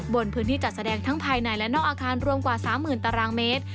บนพื้นที่จัดแสดงทั้งภายในและนอกอาคารรวมกว่า๓๐๐๐ตารางเมตร